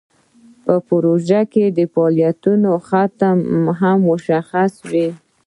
په پروژه کې د فعالیتونو ختم هم مشخص وي.